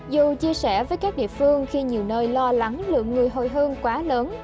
dù chia sẻ với các địa phương khi nhiều nơi lo lắng lượng người hồi hương quá lớn